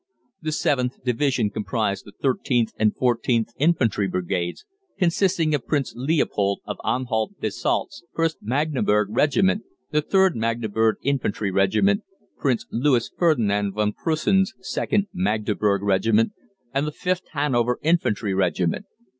The 7th Division comprised the 13th and 14th Infantry Brigades, consisting of Prince Leopold of Anhalt Dessau's 1st Magdeburg Regiment, the 3rd Magdeburg Infantry Regiment, Prince Louis Ferdinand von Preussen's 2nd Magdeburg Regiment, and the 5th Hanover Infantry Regiment.